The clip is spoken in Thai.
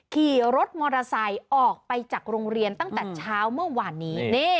ขี่รถมอเตอร์ไซค์ออกไปจากโรงเรียนตั้งแต่เช้าเมื่อวานนี้